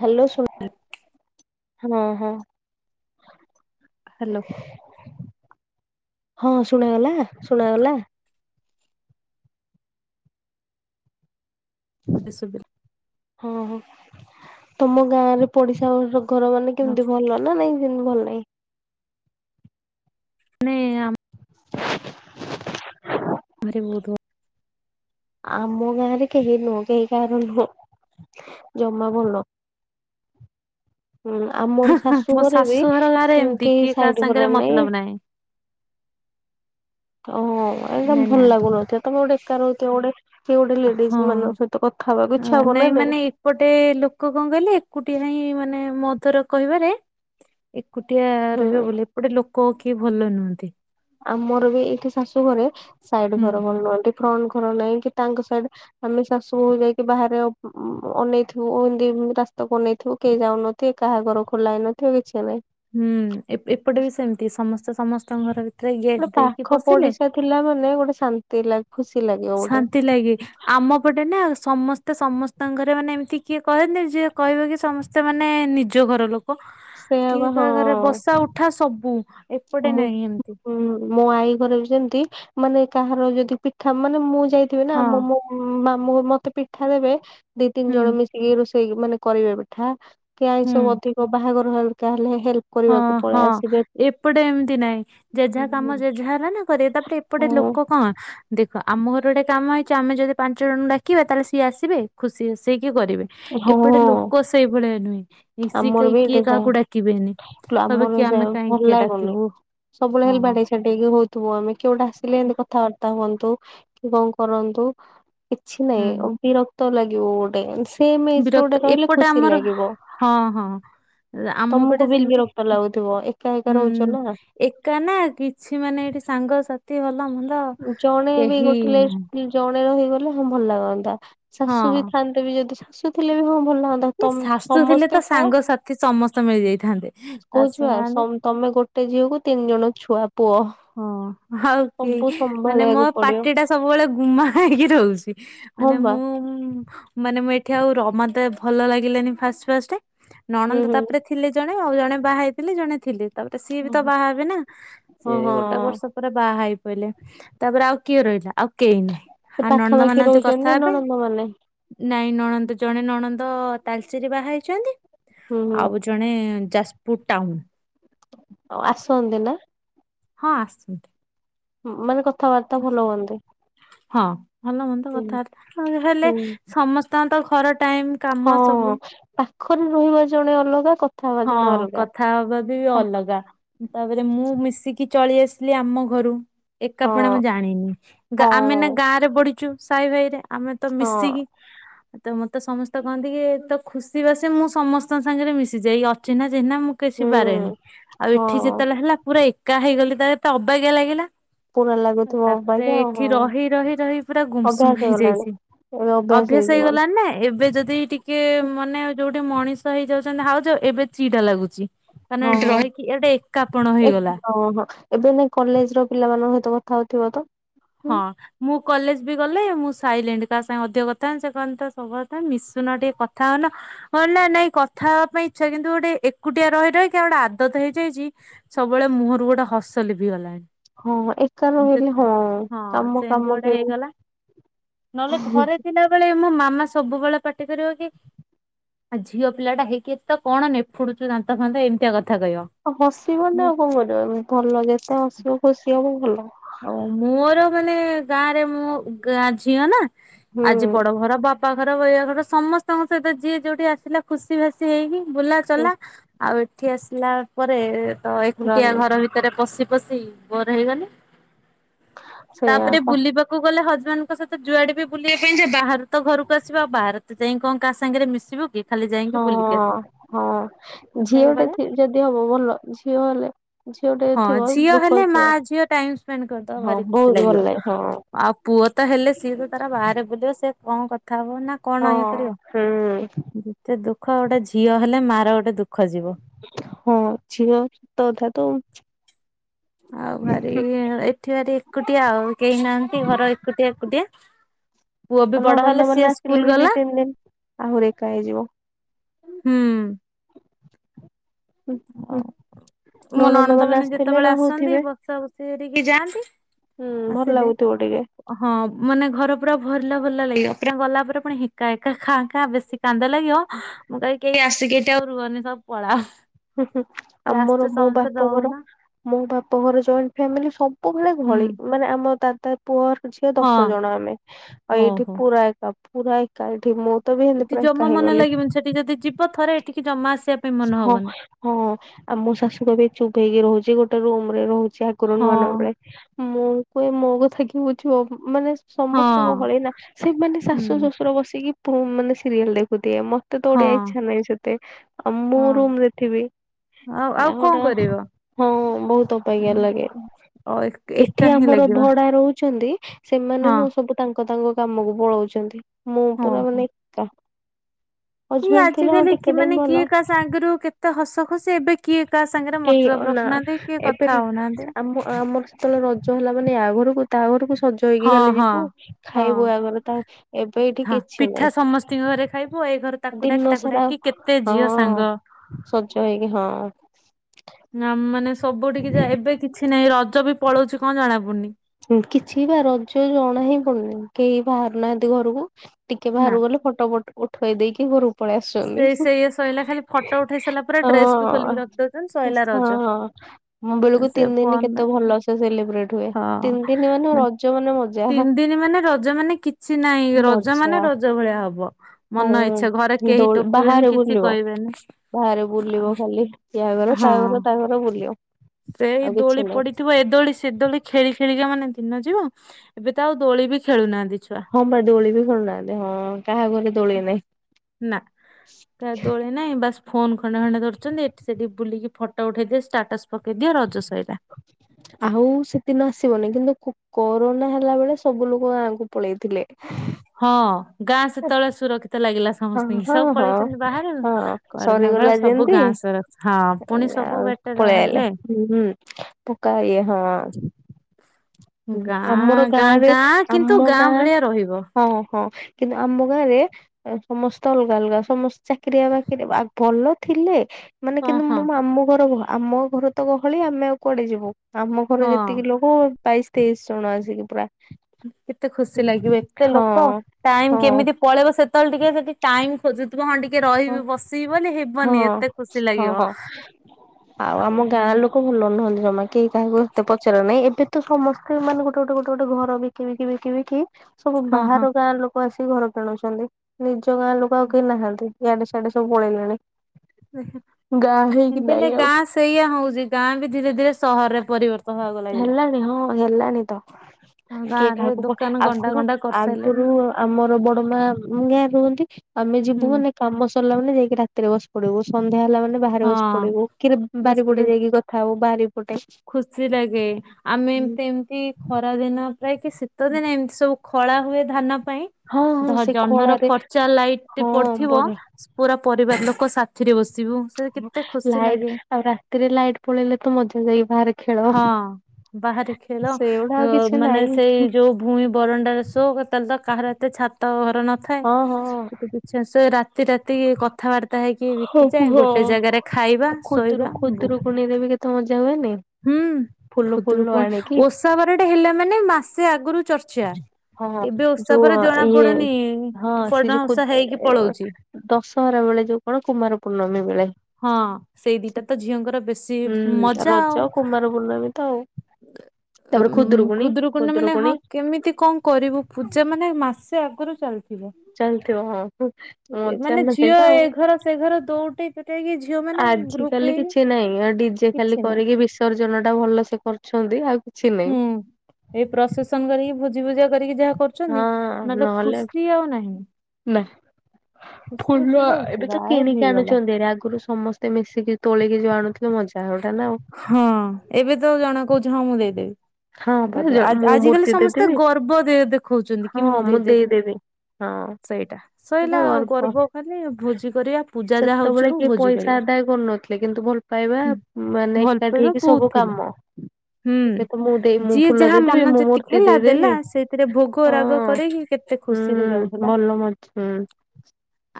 Hello ସୁଣ୍ ହଁ ହ। ହ୍ୟାଲୋ। ହଁ ଶୁଣାଗଲା ଶୁଣାଗଲା। ଏବେ ଶୁଭିଲା ହଁ ହଁ ତମ ଗାଁ ରେ ପଡିଶା ଘର। ଘର ମାନେ ହଁ କେମିତି ଭଲ ନା ନାଇଁ ସେମିତି ଭଲ ନାହିଁ। ନାଇଁ ଆମ୍ ଭାରି ବହୁତ୍ ଭ ଆମ ଗାଁ ରେ କେହି ନୁହ କେହି କାହାର ନୁହ ଜମା ଭଲ। ଆ ହୁଁ ଆମ୍ ମୋ ଶାଶୁ ଘର ଗାଁ ରେ ଏମିତି କିଏ ସାଇଡ କାହା ଘର ସାଙ୍ଗରେ ନାଇଁ ମତଲବ ନାହିଁ। ଓହ ଏକଦମ ନାଇଁ ନା ଭଲ ଲାଗୁନଥିବ ତମେ ଗୋଟେ ଏକା ରହୁଥିବ ଗୋଟେ କିଏ ଗୋଟେ ହଁ। ଲେଡିଜ୍‌ ମାନଙ୍କ ସହିତ କଥା ହବାକୁ ଇଛା ହବ ନା ନାଇଁ। ଗୋଟେ ଲୋକ କଣ କହିଲେ ଏକୁଟିଆ ହିଁ ମାନେ ମଧୁର କହିବାରେ ଏକୁଟିଆ ହୁଁ ରହିବ ବୋଲି ଏପଟେ ଲୋକ କିଏ ଭଲ ନୁହନ୍ତି ଆମର ବି ଏଠି ଶାଶୁ ଘରେ ସାଇଡ ହୁଁ ଘର ଭଲ ନୁହଁନ୍ତି ଫ୍ରଣ୍ଟ ଘର ନାହିଁ କି ତାଙ୍କ ସାଇଡ ଆମେ ଶାଶୁ ବୋହୂ ଯାଇକି ବାହାରେ ଅନେଇଥିବୁ ଏମିତି ରାସ୍ତାକୁ ଅନେଇଥିବୁ କେହି ଯାଉନଥି ଟେ କାହା ଘର ଖୋଲାଇନଥିବ କିଛି ନାଇଁ ହୁଁ ଏପଟେ ବି ସେମିତି ସମସ୍ତେ ସମସ୍ତଙ୍କ ଘର ଭିତରେ ଗେଟ୍ ଦେଇକି ପଶିଲେ ପିଲା ମାନେ ଗୋଟେ ଶାନ୍ତି ଲାଗେ ଖୁସି ଲାଗେ। ଶାନ୍ତି ଲାଗେ ଆମ ପଟେ [unintelligible] ଟ ନାଉ ସମସ୍ତେ ସମସ୍ତଙ୍କରେ ମାନେ ଏମିତି କିଏ କହନ୍ତି ଯିଏ କହିବ କି ସମସ୍ତେ ମାନେ ନିଜ ଘର ଲୋକ ସେୟା କିଏ ବା କାହା ଘରେ ବସା ଉଠା ସବୁ ଅଁ ଏପଟେ ହଁ। ନାହିଁ ଏମିତି ମୋ ଆଈ ଘରେ ବି ଯେମତି ମାନେ କାହାର ଯଦି ପିଠା ମାନେ ମୁଁ ଯାଇଥିବି ନା ହଁ ମାମୁ ମତେ ପିଠା ଦେବେ ଦି ତିନି ହୁଁ ଜଣ ମିଶିକି ରୋଷେଇ ମାନେ କରିବେ ପିଠା କେ ହୁଁ ସବୁ ଅଧିକ ବାହାଘର ହେଲ ହେଲେ ହେଲ୍ପ କରିବାକୁ ଅଁ ହଁ। ପଳେଇ ଆସିବେ। ଏପଟେ ଏମିତି ନାଇଁ ଜେ ଯାହା କାମ ଜେ ଯା ହେଲା ନା କର ତାପରେ ଏପଟେ ହଁ ଲୋକ କଣ ଦେଖ ଆମ ଘର ଗୋଟେ କାମ ହେଇଛି ଆମେ ଯଦି ପାଞ୍ଚ ଜଣ ଡାକିବା ତାହେଲେ ସିଏ ଆସିବେ ଖୁସି [unintelligible] ଆସଇକି କରିବେ ହଁ ଏପଟେ ଲୋକ ସେଇଭଳିଆ ନୁହେଁ ଏ ସି ଆମର କହି ବି କିଏ ଏଇଠି କାହାକୁ ସେୟା ଡାକିବେନି ଆମର କହିବେ କି ଆମେ [unintelligible] ଭଲ କାହିଁକି ଲାଗୁନି ଡାକିବୁ ସବୁବେଳେ ହଁ ହେଲି ବାଡେଇ ସେଠି ହଉଥିବ ଆମେ କେଉଟା ଆସିଲେ ଏମିତି କଥାବାର୍ତ୍ତା ହୁଅନ୍ତୁ କି କଣ କରନ୍ତୁ କିଛି ହୁଁ ନାଇଁ ବିରକ୍ତ ଲାଗିବ ଗୋଟେ [unintelligible] ସେ ମଥିରେ ବିରକ୍ତ ଗୋଟେ [unintelligible] ରହିଲେ ଏପଟେ ଖୁସି ଆମର ଲାଗିବ। ହଁ ହଁ ଆମ ପଟେ ତମକୁ ବିଲ୍ ସେମିତି ବିରକ୍ତ ଲାଗୁଥିବ ଏକା ଏକା ହୁଁ ରହୁଛ ନା ଏକା ନା କିଛି ମାନେ ଏଇଠି ସାଙ୍ଗସାଥି ଭଲ ମନ୍ଦ ଜଣେ ବି କେହି ଗୋଟେ ଲେସ ନାହାନ୍ତି। ଜଣେ ରହିଗଲେ ହଁ ଭଲ ଲାଗନ୍ତା ଶାଶୁ ବି ହଁ ଥାନ୍ତେ ବି ଯଦି ଶାଶୁ ଥିଲେ ବି ହଁ ଭଲ ଲାଗନ୍ତା ତ ସମସ୍ତେ ପୁଅ କି ସମସ୍ତେ ମିଳିଯାଇଥାନ୍ତେ। କୋଉ ଶାଶୁ ଛୁଆ ନାହାନ୍ତି ତମେ ଗୋଟେ ଝିଅକୁ ତିନି ଜଣ ଛୁଆ ପୁଅ ହଁ ଆଉ ସବୁ କେହି ମାନେ ମୋ ସମ୍ଭାଳିବାକୁ ପଡିବ ପାଟି ଟା ସବୁବେଳେ ଗୁମା ହେଇକି ରହୁଛି। ହଁ ମାନେ ବା ମୁଁ ମାନେ ମୁଁ ଏଠି ଆଉ [unintelligible] ରମାନ୍ତ ଭଲ ଲାଗିଲାନି ଫାଷ୍ଟ ଫାଷ୍ଟ ହୁଁ ନଣନ୍ଦ ହୁଁ ତାପରେ ଥିଲେ ଜଣେ ଆଉ ଜଣେ ବାହା ହେଇଥିଲେ ଜଣେ ଥିଲେ ତାପରେ ସିଏ ବି ତ ବାହା ହେବେ ନା ହଁ ସିଏ ବି ଗୋଟେ ହଁ ବର୍ଷ ପରେ ବାହା ହେଇ ପଇିଲେ ତାପରେ ଆଉ କିଏ ରହିଲା ଆଉ କେହି ନାହିଁ ସେ ହଁ ନଣନ୍ଦ ପାଖାପାଖି ମାନଙ୍କ ତ କଥା ରହୁଛନ୍ତି ହେବେ ନଣନ୍ଦ ମାନେ ନାଇଁ ନଣନ୍ଦ ଜଣେ ନଣନ୍ଦ ତାଲଚେର୍ ବାହା ହେଇଛନ୍ତି ହୁଁ ହୁଁ ଆଉ ଜଣେ ଯାଜପୁର ଟାଉନ ଆଉ ଆସନ୍ତି ନା ହଁ ଆସନ୍ତି। ମାନେ କଥାବାର୍ତ୍ତା ଭଲ ହୁଅନ୍ତି। ହଁ ଭଲ ମନ୍ଦ ହୁଁ କଥାବାର୍ତ୍ତା ହେଲେ ହୁଁ ସମସ୍ତଙ୍କ ତ ଘର ଟାଇମ କାମ ହଁ ସବୁ ପାଖରେ ରହିବା ଜଣେ ଅଲଗା କଥା ହବା ହଁ ଜଣେ ଅଲଗା କଥା ହବା ବି ଅଲଗା ତାପରେ ମୁଁ ମିଶିକି ଚଳି ଆସିଲି ଆମ ଘରୁ ହଁ ଏକାପଣ ମୁଁ ହଁ ଜାଣିନି ଆମେ ନା ଗାଁ ରେ ବଢିଛୁ ସାଇ ଭାଇ ରେ ଆମେ ତ ହଁ ମିଶିକି ତ ମତେ ସମସ୍ତେ କହନ୍ତି କି ତ ଖୁସି ବାସେ ମୁଁ ସମସ୍ତଙ୍କ ସାଙ୍ଗରେ ମିଶେ ଯାଇ ଅଛି ନା ଯେନା ମୁଁ କିଛି ବାରେନି ହୁଁ ଆଉ ଏଠି ହଁ ଯେତେବେଳେ ହେଲା ପୁରା ଏକା ହେଇଗଲି ତା ହେଲେ ଅବାଗିଆ ଲାଗିଲା ପୁରା ଲାଗୁଥିବ ତାପରେ ଅବାଗିଆ ଆଉ ହଁ ଏଠି ରହି ରହି ରହି ପୁରା ଅଭ୍ୟାସ ଗୁମସୁମ ହେଇଗଲାଣି। ହେଇଯାଇଛି ଏବେ ଅଭ୍ୟାସ ହେଇଯିବଣି ହେଇଗଲାଣି ନା ଏବେ ଯଦି ଟିକେ କେ ମାନେ ଯୋଉଠି ମଣିଷ ହେଇଯାଉଛନ୍ତି ହାଉ ଯାଉ ଏବେ ଚିଡା ଲାଗୁଛି। ମାନେ ଏଠି ରହିକି ଏଟେ ଏକାପଣ ହେଇଗଲା। ଓହୋ। ଏବେ ନାଇଁ କଲେଜ ର ପିଲାମାନଙ୍କ ସହିତ କଥା ହଉଥିବ ତ। ହୁଁ ହଁ। ମୁଁ କଲେଜ ବି ଗଲେ ମୁଁ ସାଇଲେଣ୍ଟ କାହା ସାଙ୍ଗେ ଅଧିକ କଥା ସେ କହନ୍ତି ସବୁ କଥା ମିଶୁନ ଟିକେ କଥା ହଉନ। ହଁ ନାଁ ନାଇଁ କଥା ହେବା ପାଇଁ ଇଚ୍ଛା କିନ୍ତୁ ଗୋଟେ ଏକୁଟିଆ ରହି ରହି ଗୋଟେ ଆଦତ ହେଇଯାଇଛି। ସବୁବେଳେ ମୁହଁରୁ ଗୋଟେ ହସ ଲିଭିି ଗଲାଣି। ହଁ ଏକା ରହିଲେ ହଁ। ହଁ କାମ ସେମିତି କାମ ଗୋଟେ କେମିତି ହେଇଗଲା ନହେଲେ ଘରେ ଥିଲା ସବୁବେଳେ ମୋ ମାମା ସବୁବେଳେ ପାଟି କରିବ କି। ଆ ଝିଅ ପିଲା ଟା ହେଇକି ଏତ କଣ ନେଫୁଡୁଛୁ ଦାନ୍ତ ଫାନ୍ତ ଏମିତିଆ କଥା କହିବ। ଆଉ ହସିବନି ମୁଁ ଆଉ କଣ କରିବ ଭଲ ଯେତେ ହସିବ ଖୁସି ହବ ଭଲ। ହଉ ମୋର ମାନେ ଗାଁ ରେ ମୁଁ ଗାଁ ଝିଅ ନା ହୁଁ ଆଜି ବଡ ଘର ବାପା। ଘର ବହିବା ଘର ସମସ୍ତଙ୍କ ସହିତ ଯିଏ ଯୋଉଠି ଆସିଲା ଖୁସି ଭାସି ହେଇକି ବୁଲା ହୁଁ ଚଲା ଆଉ ଏଠି ଆସିଲା ପରେ ତ ପୁରା ଏକୁଟିଆ ଘର ଭିତରେ ପଶି ପଶି ବୋର ହେଇଗଲି। [inaudible] ତାପରେ ବୁଲିବା କୁ ଗଲେ ହଜବାଣ୍ଡଙ୍କ ସହିତ ଯୁଆଡେ ବି ବୁଲିବା ପାଇଁ ଯେ ବାହାର ତ ଘରକୁ ଆସିବ ଆଉ ବାହାରେ ଯାଇ କଣ କାହା ସାଙ୍ଗରେ ମିଶିବୁ କି। ଖାଲି ଯାଇକି ହଁ ବୁଲିକି ଆସିବୁ। ହଁ ଝିଅ ସେଇଭଳିଆ ଟେ ଯଦି ହବ ଭଲ ଝିଅ ହେଲେ ଝିଅଟେ ହଁ ଥିବ ଝିଅ ଦୁଃଖ ହେଲେ ମା ସିଅ ଝିଅ ଟାଇମ ସ୍ପେଣ୍ଡ କରିଦବ ହଁ ଭାରି ଖୁସି ବହୁତ ଭଲ ଲାଗିବ। ଲାଗେ ହଁ ଆଉ ପୁଅ ତ ହେଲେ ସିଏ ତ ତାର ବାହାରେ ବୁଲିବ ସିଏ କଣ କଥା ହବ ନା କଣ ଇଏ ହଁ କରିବ ହୁଁ ଯେତେ ଦୁଃଖ ଗୋଟେ ଝିଅ ହେଲେ ମାର ଗୋଟେ ଦୁଃଖ ଯିବ। ହଁ ଝିଅ ତଥା ତ ଆଉ ଭାରି ଏଠି ଭାରି ଏକୁଟିଆ ଆଉ। କେହି ନାହାନ୍ତି ଘର ଏକୁଟିଆ ଏକୁଟିଆ। ପୁଅ ବି ଆ ବଡ ହେଲେ ନଣନ୍ଦ ମନେ ସିଏ ସ୍କୁଲ ଆସିଲେ ବି ଦି ଗଲା ତିନି ଦିନ ଆହୁରି ଏକା ହେଇଯିବ। ହୁଁ। ହୁଁ ହ ହୁଁ ମୋ ନଣନ୍ଦ ମାନେ ଯେତେବେଳେ ଆସନ୍ତି ବସା ବସି କରିକି ଯାଆନ୍ତି। ହୁଁ ଭଲ ଆସିଲେ ଲାଗୁଥିବ ଟିକେ। ହଁ ମାନେ ଘର ପୁରା ଭରିଲା ଭରିଲା ଲାଗିବ ପୁରା ଗଲା ପରେ ପୁଣି ଏକା ଏକା ଖାଁ ଖାଁ ବେଶୀ କାନ୍ଦ ଲାଗିବ ମୁଁ କିହିବି କେହି ଆସିକି ଏଠି ଆଉ ରୁହନି ସବୁ ପଳାଅ। ହୁଁ ହୁଁ ଯିଏ ଆସୁଛ ଆମର ମୋ ସମସ୍ତେ ବାପଘର ରହୁନ ମୋ ବାପ ଘର ଜଏଣ୍ଟ ଫ୍ୟାମିଲି ସବୁ ବେଳେ ହୁଁ ଘହଳି ମାନେ ଆମ ଦାଦା ପୁଅର ଝିଅ ହଁ ଦଶ ଜଣ ଆମେ ଆଉ ଓ ଏଇଠି ହୋ ପୁରା ଏକା ପୁରା ଏକା ଏଠି ମୁଁ ତ ବି ଏମିତି ଏଠି ପୁରା ଜମା ଏକା ମନ ହେଇଗଲି ଲାଗିବନି ସେଠି ଯଦି ଯିବ ଥରେ ଏଠିକି ଜମା ଆସିବା ପାଇଁ ମନ ହଁ ହବନି ହଁ ଆଉ ମୋ ଶାଶୁ କହିବେ ଚୁପ ହେଇକି ରହୁଚି ଗୋଟେ ରୁମ ରେ ରହୁଚି। ସିଏ ଆଗରୁ ନୂଆ ନୂଆ ହଁ ବେଳେ ମୁଁ କୁହେ ମୋ କଥା କିଏ ବୁଝିବେ ମାନେ ସମସ୍ତେ ହଁ ଗହଳି ନା ସେମାନେ ଶାଶୁ ହୁଁ ଶ୍ୱଶୁର ବସିକି ମାନେ ସିରିଏଲ ଦେଖୁଥିବେ ମତ୍ ମତେ ତ ଓଡିଆ ହଁ ଇଚ୍ଛା ନାହିଁ ସେତେ ଆଉ ମୁଁ ହଁ ରୁମରେ ଥିବି। ଆଉ ଆଉ କଣ ଗୋଟା କରିବ? ହଁ ବୋହୁତ ଅବାଗ୍ୟା ଲାଗେ। ଓ ଏଠି ଏକା ହିଁ ଆମର ଲାଗିବ ଭଡା ରହୁଛନ୍ତି ସେମାନେ ହଁ ନୁହଁ ସବୁ ତାଙ୍କ ତାଙ୍କ କାମକୁ ପଳଉଛନ୍ତି। ମୁଁ ହଁ ପୁରା ମାନେ ହଁ। ଏକା ଏଇ ହଜବେଣ୍ଡ ଥିଲେ ହଁ ଆଜିକାଲି ଟିକେ କି ଟାଇମ ମାନେ ଭଲ କିଏ କାହା ସାଙ୍ଗରୁ କେତେ ହସ ଖୁସି ଏବେ କିଏ କାହା ସାଙ୍ଗରେ କେହି ମତଲବ ନା ରଖୁନାହାନ୍ତି କିଏ ଏବେ କଥା ହଉନାହାନ୍ତି। ଆମ ଆମ ସେତେବେଳେ ରଜ ହେଲା ମାନେ ଆ ଘରୁକୁ। ତା ଘରକୁ ସଜ ହେଇକି ହଁ ଖାଲି ହଁ। ଯିବୁ ହଁ ଖାଇବୁ ଆଗରେ ତା ଏବେ ଏଇଠି କିଛି ନାହିଁ। ଏହା ସମସ୍ତି ଘରେ ଖାଇବୁ ଏଇ ଘର ତାକୁଡାକି ଦିନ ସାରା ତାକୁଡାକି କେତେ ହଁ ଝିଅ ସାଙ୍ଗ ସଜ ହେଇକିି ହଁ। ନା ମାନେ ସବୁଠିକି ଯାଏ ଏବେ କିଛି ନାହିଁ ରଜ ବି ପଳଉଛି କଣ ଜଣା ପଡ଼ୁନି। କିଛି ବା ରଜ ଜଣା ହିଁ ପଡ଼ୁନି କେହି ବାହାରୁ ନାହାନ୍ତି ଘରକୁ ଟିକେ ନା। ବାହାରୁ ଗଲେ ଫଟୋ ଫ ଉଠେଇ ଦେଇକି ଘରୁ ପଳେଇ ଆସୁଚନ୍ତି ସେଇ ସେଇଆ ସଇଲା ଖାଲି ଫଟୋ ଉଠେଇ ସାରିଲା ପରେ ହଁ ଡ୍ରେସ ବି ଖୋଲିକି ରଖିଦଉଛନ୍ତି ସଇଲା ରଜ। ହଁ। ମୋ ବେଳକୁ ସେ ତିନି ଦିନ ଫୋନ କେତେ ଭଲସେ ସେଲିବ୍ରେଟ୍ ହୁଏ। ହଁ ତିନି ଦିନ ମାନେ ମେ ରଜ ମାନେ ମଜା ତିନି ଦିନ ମାନେ ରଜ ମାନେ କିଛି ନାହିଁ ରଜ ମଜା ମାନେ ର ଜଭଳିଆ ହବ ମନ ଇଚ୍ଛା ଘରେ ହଁ କେହି ଦୋଳି ଟୋକିବେନି ବାହାରେ କିଛି ବୁଲିବ କହିବେନି। ବାହାରେ ବୁଲିବ ଆଉ। ଖାଲି ଯହାଘର ତାହାଘର ତା ଘର ବୁଲିବ। ସେହି ଆଉ କିଛି ଦୋଳି ନାହିଁ। ପଡ଼ିଚି ଥିବ ଏ ଦୋଳି ସେ ଦୋଳି ଖେଳି ଖେଳିକା ମାନେ ଦିନଯିବ ଏବେତ ଆଉ ଦୋଳିବି ଖେଳୁନାହାନ୍ତି ଛୁଆ। ହଁ ବା ଦୋଳି ବି ଖେଳୁନାହାନ୍ତି ହଁ କାହା ଗଲେ ନା କାଦୋଳି ନାଇଁ ବାସ୍ ଫୋନ ଖଣ୍ଡେ ଖଣ୍ଡେ ଧରିଚନ୍ତି ଏଠି ସେଠି ବୁଲିକି ଫଟୋ ଉଠେଇଦିଅ ଷ୍ଟାଟସ୍ ପକେଇଦିଅ ରଜ ସଇଲା। [inaudible] ଆଉ ସେଦିନ ଆସିବନି କିନ୍ତୁ କ କୋରୋନା ହେଲା ବେଳେ ସବୁ ଲୋକ ଗାଁକୁ ପଳେଇଥିଲେ। ହଁ ଗାଁ ସେତେବେଳେ ସୁରକ୍ଷିତ ଲାଗିଲା ସମସ ହଁ ହଁ ସବୁ ହଁ ପଳେଇଚନ୍ତି ବାହାରେ ହଁ କରୋନା ବେଳେ ସରିଗଲା ସବୁ ଯେମିତି ଗାଁ ସାରା ହଁ ପୁଣି ସବୁ ବେ ପଳିଆଇଲେ ହୁଁ ହୁଁ ପୋକା ଇଏ ହଁ। ହୁଁ ଆମର ଗାଁ ଗାଁ ଗାଁରେ ଗାଁ କିନ୍ତୁ ଆମ ଗାଁ ଭଳିଆ ରହିବ ହଁ ହଁ। କିନ୍ତୁ ଆମ ଗାଁରେ ସମସ୍ତେ ଅଲଗା ଅଲଗା ସମସ୍ତେ ଚାକିରିଆ ବାକିରି ଆ ଭଲ ଥିଲେ ମାନେ ହଁ କିନ୍ତୁ ହଁ ମୋ ମାମୁଁ ଘର ନୁହ ଆମ ଘର ତ ଗହଳି ଆମେ ଆଉ କୁଆଡ଼େ ଯିବୁ। ଆମ ଘରେ ଯେତିକି ହଁ। ଲୋକ ବାଇଶି ତେଇଶି ଜଣ ଆସିକି ପୁରା କେତେ ଖୁସି ଲାଗିବ ଏତେ ହଁ ଲୋକ ଟାଇମ୍ ହଁ କେମିତି ପଳେଇବ ସେତେବେଳେ ଟିକେ ସେଠୀ ଟାଇମ୍ ଖୋଜୁଥିବୁ ହଁ ଟିକେ ହଁ ରହିବି ବସିବି ବୋଲି ହେବି ହଁ ହଁ ହଁ ଆଉ ଆମ ଗାଁ ଲୋକ ଭଲ ନୁହଁନ୍ତି ଜମା କେହି କାହାକୁ ସେତେ ପଚାର ନାଇଁ ଏବେ ତ ସମସ୍ତେ ମାନେ ଗୋଟେ ଗୋଟେ ଗୋଟେ ଗୋଟେ ଘର ବି କିବି ବିକି ବିକି ସବୁ ହଁ ହଁ। ବାହାର ଗାଁ ଲୋ କ ଆସିକି ଘର କିଣୁଛନ୍ତି ନିଜ ଗାଁ ଲୋକ ଆଉ କେହି ନାହାନ୍ତି ଇଆଡେ ସିଆଡେ ସବୁ ପଳେଇଲେଣି। ଉହୁଁ ଗାଁ ହେଇକି ସେମତି ହେଲେ ନାଇଁ ଆଉ। ଗାଁ ସେଇଆ ହଉଚି ଗାଁ ବି ଧୀରେ ଧୀରେ ସହରରେ ପରିବର୍ତ୍ତନ ହବାକୁ ଲାଗିଲାଣି। ହେଲାଣି ହଁ ହେଲଣି ତ। ହଁ କିଏ ଗାଁରେ କାହାକୁ କ ଦୋକାନ ଗଣ୍ଡା ଆଗରୁ ଗଣ୍ଡା କରିସାରିଲେଣି ଆଗରୁ ଆମର ବଡ଼ ମା ଗାଁରେ ରୁହନ୍ତି। ଆମେ ହୁଁ ଯିବୁ ମାନେ କାମ ସରିଲା ମାନେ ଯାଇକି ରାତିରେ ବସି ପଡ଼ିବୁ ସନ୍ଧ୍ୟା ହେଲା ମାନେ ବାହାରେ ବସି ହଁ ପଡ଼ିବୁ କିରେ ବସ ବାରି ପଡେ ଗୋଟେ ଯାଇକି ବ ଥାଉ ବାରି ପଟେ ଖୁସି ଲାଗେ ଆମେ ଏମତି ଏମିତି ଖରାଦିନ ପ୍ରାୟ କି ଶୀତ ଦିନ ଏମିତି ସବୁ ଖଳା ହୁଏ ଧାନ ପାଇଁ ହଁ ହଁ ଧ ସେ ଜହ୍ନର ଖଳାରେ ଫର୍ଚା ଲାଇଟ୍ ହଁ ପଡ଼ିଥିବ। ବଢିଆ ପୁରା ପରିବାର ଲୋକ ସାଥିରେ ବସିବୁ। ସେ କେତେ ଖୁସି ଲାଇଟ୍ ଲାଗେ ଆଉ ରାତିରେ ଲାଇଟ୍ ପଳେଇଲେ ତ ମଜା ଯାଇ ବାହାରେ ଖେଳ ହଁ ବାହାରେ ଖେଳ ସେଗୁଡା ଆଉ ଅ କିଛି ମାନେ ନାଇଁ ସେଇ ଯୋଉ ଭୂଇଁ ବରଣ୍ଡାରେ ଶୋ ହେତେଳେତ କାହାର ଏତେ ଛାତ ଘର ନଥାଏ ହଁ ହଁ। ହେଟି ବିଛାସୋ ରା ରାତି ରାତି କଥାବାର୍ତ୍ତା ହେଇକି ହଁ ବିତିଯାଏ କୁହ। ଗୋଟେ ଜାଗାରେ ଖାଇବା ଶୋଇବା ବୋ ପୂନେଇରେ ବି କେତେ ମଜା ହୁଏନି। ହୁଁ ଫୁଲ ଫୁଲ ଖୁଦୁରୁକୁଣୀ ଆଣିକି ଓଷା ବାରଟା ହେଲା ମାନେ ମାସେ ଆଗରୁ ଚର୍ଚ୍ଚା। ହଁ ଏବେ ଯୋଉ ଓଷାପରେ ଜଣା ଇଏ ପଡ଼ୁନି ହଁ ସେ ଫଡନ୍ ଯୋଉ ଖୁ ଓଷା ହେଇକି ପଳଉଚି। ଦଶହରା ବେଳେ ଯୋଉ କଣ କୁମାର ପୂର୍ଣ୍ଣିମା ବେଳେ। ହଁ ସେଇ ଦିଟା ତ ଝିଅଙ୍କର ବେଶୀ ହୁଁ ମଜା ଆଉ। ରଜ କୁମାର ପୂର୍ଣ୍ଣମୀ ତ ଆଉ ତାପରେ ଉମ୍ ଖୁଦୁରୁକୁୁଣୀ ଖୁଦୁରୁକୁଣୀ ଟା ମାନେ ହଁ ଖୁଦୁରୁକୁୁଣୀ କେମିତି କଣ କରିବୁ ପୂଜା ମାନେ ମାସେ ଆଗରୁ ଚାଲ୍ ଥିବ ଚାଲିଥିବ ହଁ ମଜା ମାନେ ନା ଝିଅ ସେଇଟା ଆଉ ଏ ଘର ସେ ଘର ଦୋଉଟି ଏଇ ଝିଅ ମାନେ ଆଜି ଗ୍ରୁପ ହେଇକି କିଛି ନାହିଁ। ଏଇ ବିସର୍ଜନ ଟା ଭଲ ସେ କରୁଚନ୍ତି ଆଉ କିଛି ନାଇଁ। ହୁଁ ଏଇ ପ୍ରସେସନ କରିକି ଭୋଜି ଭୁଜା କରିକି ଯାହା କରୁ ଚନ୍ତି ହଁ ନହଲେ ନହେଲେ ଖୁସି ଆଉ ନାହିଁ। ନା ଖୁସି ଫୁଲ ସେମିତି ଆଉ ଏବେ ତ ଗାଏବ କିଣିକି ହେଇଗଲା। ଆଣୁଚନ୍ତି ଏରା ଆଗରୁ ସମସ୍ତେ ମିଶିକି ତୋଳିକି ଯୋଉ ଆଣୁଥୁଲୁ ମଜା ହୋଟା ନା ଆଉ। ହଁ ଏବେ ତ ଜଣେ କହୁଚି ହଁ ମୁଁ ହଁ ଦେଇଦେବି। ବା ବୋଧେ ମୁଁ ଆଜ୍-ଆଜିକାଲି ମୂର୍ତ୍ତି ସମସ୍ତେ ଦେଇଦେବି ଗର୍ବ ଦେ-ଦେଖଉଚନ୍ତି କି ହଁ ମୁଁ ଦେଇଦେଲି। ଦେଇଦେବି ହଁ ସେଇଟା ସଇଲା ଆଉ ଗର୍ବ ଖାଲି ଭୋଜି କରିବା ପୂଜା ଯାହା ହଉଚି ହଉ ଭୋଜି ସା କରିବା। ଆଦାୟ କରୁନଥିଲେ କିନ୍ତୁ ଭଲ ପାଇବା ହୁଁ ମାନେ ଭଲ ଏକାଠି ପାଇବା ହେଇକି ବହୁତ ସବୁ ଥିଲା କାମ ଏବେ ତ ମୁଁ ଦେଇ ହୁଁ ମୁଁ ଯିଏ ଫୁଲ ଯାହା ଦେଇଦେବି ମନ ମୁଁ ଯେତିକି ମୂର୍ତ୍ତି ହେଲା ଦେଲା ଦେଇଦେବି ସେଇତିରେ ଭୋଗ ରାଗ ହଁ କରିକି କେତେ ହୁଁ ଖୁସିରେ ଯାଉଥୁଲା ଭଲ ମ ହୁଁ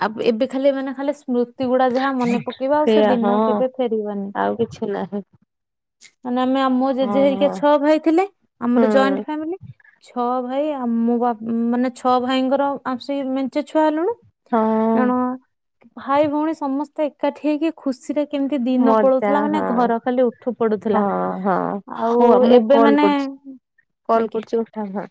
ଆ-ଏବେ ଖାଲି ମାନେ ଖାଲି ସ୍ମୃ ଗୁଡା ଯାହା ମନେ ପକେଇବା ଆଉ ସେ ସେଇଆ ହଁ ଦିନ କେବେ ଫେରିବନି। ଆଉ କିଛି ନାହିଁ ମାନେ ଆମେ ଆମ ମୋ ଜେଜେ ହଁ ହେରିକା ହଁ ଛଅ ଭାଇ ଥିଲେ ଆମର ହୁଁ ଜଏଣ୍ଟ ଫ୍ୟାମିଲି। ଛଅ ଭାଇ ଆଉ ମୁଁ ବା ମାନେ ଛଅ ଭାଇଙ୍କର ଆସିକି ମେଞ୍ଚେ ଛୁଆ ହେଲୁଣୁ। ହଁ ତେଣ ଭାଇ ଭଉଣୀ ସମସ୍ତେ ଏକାଠି ହେଇକି ଖୁସିରେ କେମିତି ଦିନ ମଜା ପଳଉଥୁଲା ମାନେ ହଁ ଘର ଖାଲି ଉଠୁ ପଡୁଥୁଲା। ହଁ ହଁ ହଉ ମୁଁ କଲ୍ କରୁଚି କଲ୍ ଆଜ୍ଞା। କରୁଚି ଉଠା ହାଁ।